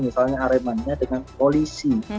misalnya aremanya dengan polisi